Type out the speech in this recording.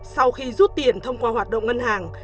sau khi rút tiền thông qua hoạt động ngân hàng